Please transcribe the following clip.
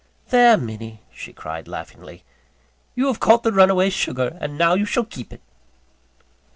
"There, Minnie!" she cried laughingly, "you have caught the runaway sugar, and now you shall keep it!"